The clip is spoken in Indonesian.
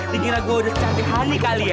dikira gue udah cantik hany kali ya